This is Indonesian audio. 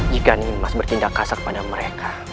jika nimas bertindak kasar kepada mereka